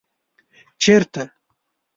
ـ چېرته ؟